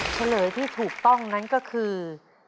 เฉลยที่ถูกต้องนั้นก็คือ